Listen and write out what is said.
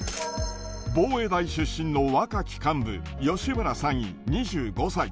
防衛大出身の若き幹部、吉村３尉２５歳。